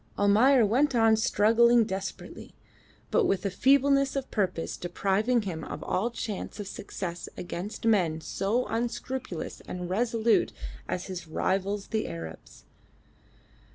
Almayer went on struggling desperately, but with a feebleness of purpose depriving him of all chance of success against men so unscrupulous and resolute as his rivals the Arabs.